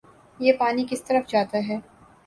یہ پانی کس طرف جاتا ہے